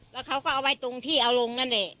แล้วเขาก็เอาไว้ตรงที่เอาลงนั่นแหละ